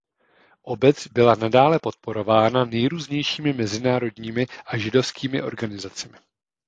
Obec byla nadále podporována nejrůznějšími mezinárodními a židovskými organizacemi.